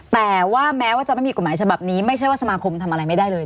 แต่ว่าแม้ว่าจะไม่มีกฎหมายฉบับนี้ไม่ใช่ว่าสมาคมทำอะไรไม่ได้เลย